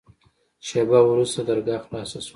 شېبه وروسته درګاه خلاصه سوه.